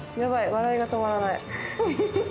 笑いが止まらない。